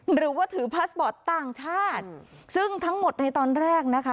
หรือว่าถือพาสบอร์ตต่างชาติซึ่งทั้งหมดในตอนแรกนะคะ